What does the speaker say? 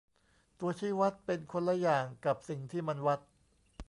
ตัวชี้วัดเป็นคนละอย่างกับสิ่งที่มันวัด